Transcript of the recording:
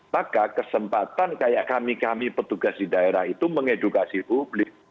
maka kesempatan kayak kami kami petugas di daerah itu mengedukasi publik